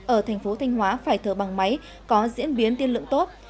ở thành phố thanh hóa phải thở bằng máy có diễn biến tiên lượng tốt